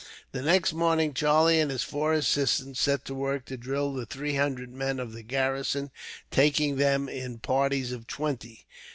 The next morning, Charlie and his four assistants set to work to drill the three hundred men of the garrison, taking them in parties of twenty.